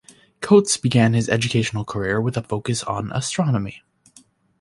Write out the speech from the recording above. Cotes began his educational career with a focus on astronomy.